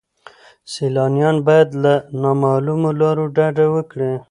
سیلانیان باید له نامعلومو لارو ډډه وکړي.